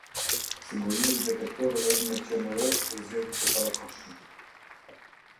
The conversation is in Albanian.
Sigurimi i detektorëve në qnr për zgjedhjet e parakohshme